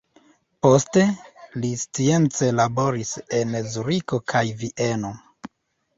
Poste li science laboris en Zuriko kaj Vieno.